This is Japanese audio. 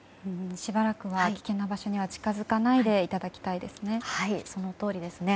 しばらくは危険な場所に近づかないでいただきたいですね。